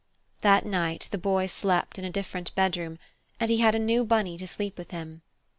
That night the Boy slept in a different bedroom, and he had a new bunny to sleep with him.